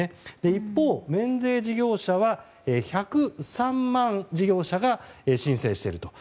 一方、免税事業者は１０３万事業者が申請していると。